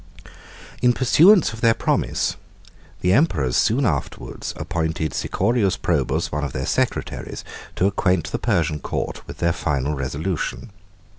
] In pursuance of their promise, the emperors soon afterwards appointed Sicorius Probus, one of their secretaries, to acquaint the Persian court with their final resolution.